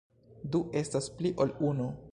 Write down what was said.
Du estas pli ol unu.